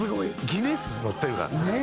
ギネスに載ってるからね。